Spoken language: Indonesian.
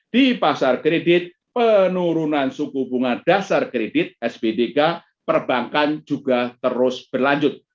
di pasar kredit penurunan suku bunga dasar kredit sbdk perbankan juga terus berlanjut